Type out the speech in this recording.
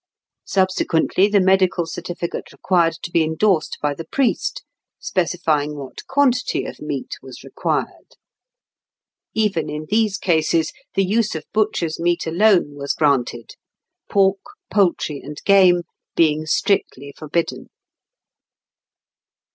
Subsequently, the medical certificate required to be endorsed by the priest, specifying what quantity of meat was required. Even in these cases the use of butchers' meat alone was granted, pork, poultry, and game being strictly forbidden.